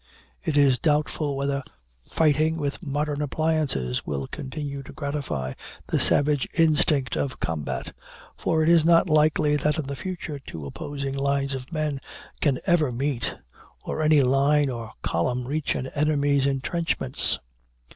It is doubtful whether fighting with modern appliances will continue to gratify the savage instinct of combat; for it is not likely that in the future two opposing lines of men can ever meet, or any line or column reach an enemy's intrenchments.